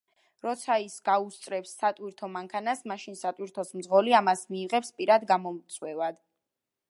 როცა ის გაუსწრებს სატვირთო მანქანას, მაშინ სატვირთოს მძღოლი ამას მიიღებს პირად გამოწვევად.